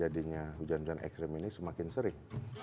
dan ekstrim ini semakin sering